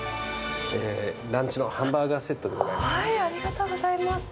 ランチのハンバーガーセットありがとうございます。